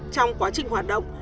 trong quá trình hoạt động